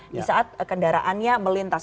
di saat kendaraannya melintas